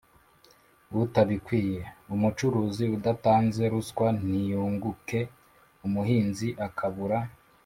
utabikwiye, umucuruzi udatanze ruswa ntiyunguke, umuhinzi akabura